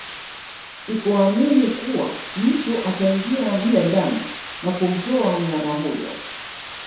Sikuamini kuwa mtu ataingia mle ndani na kumtoa mnyama huyo